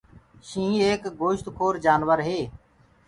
شيِنهيٚنَ ايڪ گوشتکور جآنور هي۔